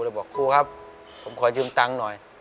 บอกครูครับผมขอยืมตังค์หน่อย